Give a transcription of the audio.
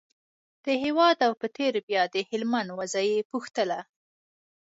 د هېواد او په تېره بیا د هلمند وضعه یې پوښتله.